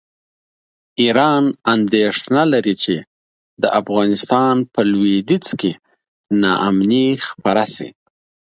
ایران اندېښنه لري چې د افغانستان په لویدیځ کې ناامني خپره شي.